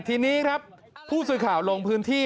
ทีนี้ครับผู้สื่อข่าวลงพื้นที่